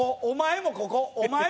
お前もここ。